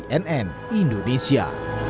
tim liputan cnn indonesia